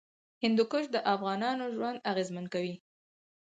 هندوکش د افغانانو ژوند اغېزمن کوي.